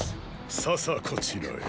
ささこちらへ。